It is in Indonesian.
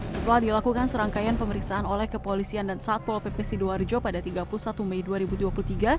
setelah dilakukan serangkaian pemeriksaan oleh kepolisian dan satpol pp sidoarjo pada tiga puluh satu mei dua ribu dua puluh tiga